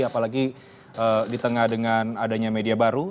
apalagi di tengah dengan adanya media baru